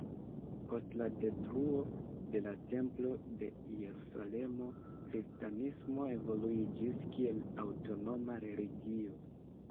Post la detruo de la Templo de Jerusalemo, kristanismo evoluiĝis kiel aŭtonoma religio.